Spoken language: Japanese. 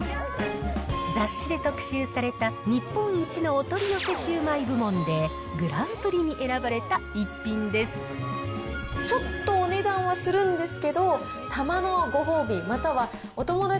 雑誌で特集された、日本一のお取り寄せシュウマイ部門でグランプリに選ばれた一品でちょっとお値段はするんです